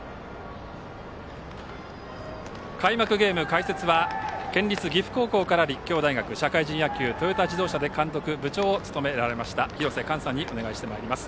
開幕ゲーム、解説は県立岐阜高校から立教大学社会人野球、トヨタ自動車で監督、部長を務められました廣瀬寛さんにお願いしてまいります。